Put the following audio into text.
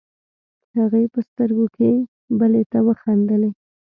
هغې په سترګو کې بلې ته وخندلې.